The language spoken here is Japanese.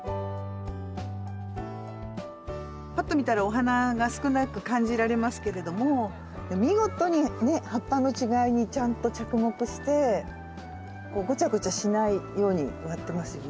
パッと見たらお花が少なく感じられますけれども見事にね葉っぱの違いにちゃんと着目してごちゃごちゃしないように植わってますよね。